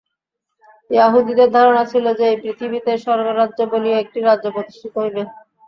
য়াহুদীদের ধারণা ছিল যে, এই পৃথিবীতেই স্বর্গরাজ্য বলিয়া একটি রাজ্য প্রতিষ্ঠিত হইবে।